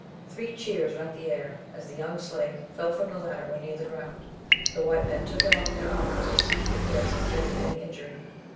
Three cheers rent the air as the young slave fell from the ladder when near the ground; the white men took him up in their arms, to see if he had sustained any injury.